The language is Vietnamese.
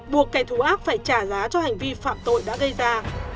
buộc kẻ thù ác phải trả giá cho hành vi phạm tội đã gây ra